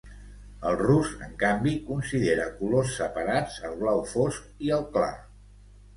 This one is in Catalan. El rus, en canvi, considera colors separats el blau fosc i el clar.